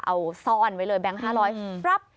เอาซ่อนไว้เลยแบงค์๕๐๐ปรับ